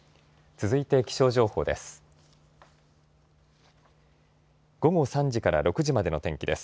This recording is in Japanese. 続いて気象情報です。